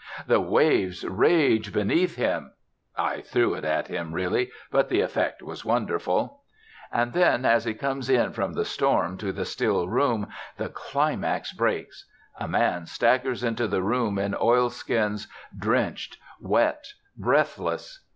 The waves rage beneath him. (I threw it at him, really, but the effect was wonderful.) And then, as he comes in from the storm to the still room, the climax breaks. A man staggers into the room in oilskins, drenched, wet, breathless.